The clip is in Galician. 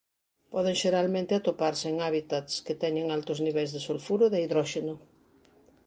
Poden xeralmente atoparse en hábitats que teñen altos niveis de sulfuro de hidróxeno.